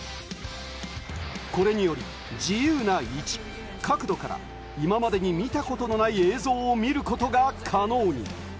これにより自由な位置、角度から今までに見たことがない映像を見ることが可能に。